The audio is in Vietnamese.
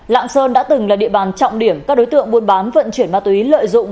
lạng sơn đã từng là địa bàn trọng điểm các đối tượng buôn bán vận chuyển ma túy lợi dụng